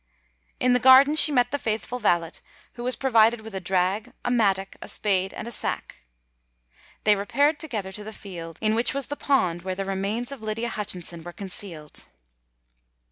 In the garden she met the faithful valet, who was provided with a drag, a mattock, a spade, and a sack. They repaired together to the field in which was the pond where the remains of Lydia Hutchinson were concealed.